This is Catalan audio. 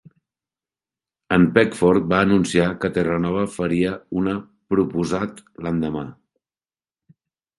En Peckford va anunciar que Terranova faria una proposat l'endemà.